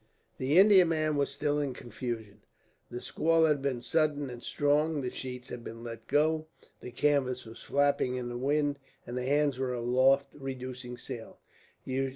The Indiaman was still in confusion. The squall had been sudden and strong. The sheets had been let go, the canvas was flapping in the wind, and the hands were aloft reducing sail.